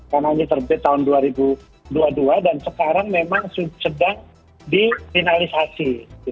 karena ini terbit tahun dua ribu dua puluh dua dan sekarang memang sedang di finalisasi